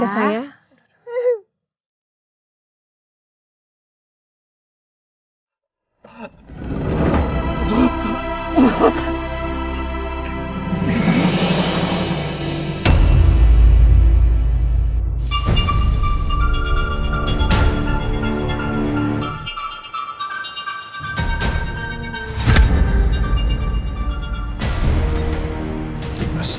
ini teleponnya aktif